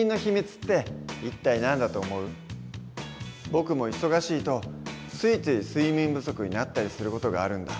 僕も忙しいとついつい睡眠不足になったりする事があるんだ。